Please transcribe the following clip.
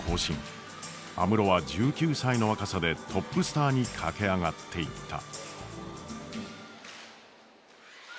安室は１９歳の若さでトップスターに駆け上がっていった。